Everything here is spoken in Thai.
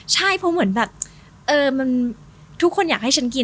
ใช่เพราะเหมือนแบบทุกคนอยากให้ฉันกิน